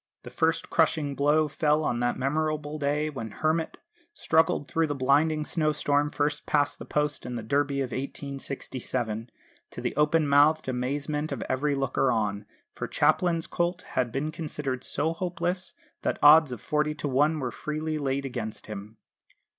The first crushing blow fell on that memorable day when Hermit struggled through a blinding snowstorm first past the post in the Derby of 1867, to the open mouthed amazement of every looker on; for Mr Chaplin's colt had been considered so hopeless that odds of forty to one were freely laid against him.